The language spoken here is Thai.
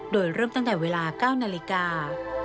โดยเริ่มตั้งแต่เวลา๙นาฬิกา